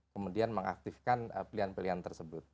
kemudian mengaktifkan pilihan pilihan tersebut